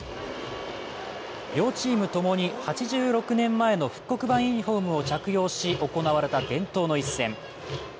両チーム共に８６年前の復刻版ユニフォームを着用し行われた伝統の一戦。